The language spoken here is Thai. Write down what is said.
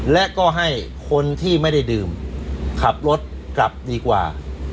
และก็ให้คนที่ไม่ได้ดื่มขับรถกลับดีกว่า